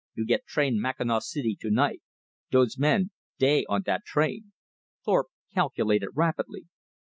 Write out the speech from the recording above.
You get train Mackinaw City tonight. Dose men, dey on dat train." Thorpe calculated rapidly.